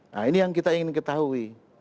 nah ini yang kita ingin ketahui